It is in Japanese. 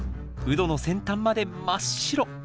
ウドの先端まで真っ白！